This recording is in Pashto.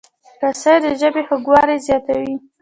رس د ژبې خوږوالی زیاتوي